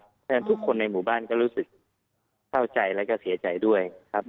เพราะฉะนั้นทุกคนในหมู่บ้านก็รู้สึกเข้าใจแล้วก็เสียใจด้วยครับ